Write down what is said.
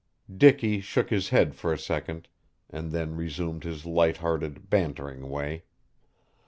Dicky shook his head for a second, and then resumed his light hearted, bantering way.